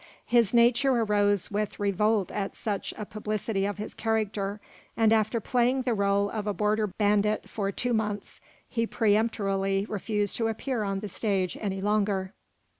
His nature arose with revolt at such a publicity of his character, and after playing the role of a border bandit for two months, he peremptorily refused to appear on the stage any longer.